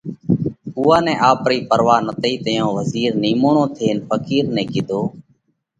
اُوئا نئہ آپرئِي پڙئِي تئِي۔ تئيون وزِير نِيموڻو ٿينَ ڦقِير نئہ ڪِيڌو: